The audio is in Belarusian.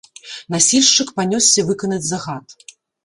Насільшчык панёсся выканаць загад.